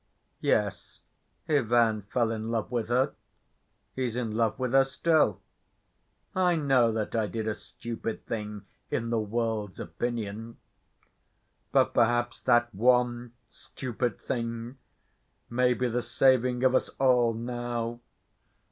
Yes, Ivan fell in love with her; he's in love with her still. I know that. I did a stupid thing, in the world's opinion; but perhaps that one stupid thing may be the saving of us all now.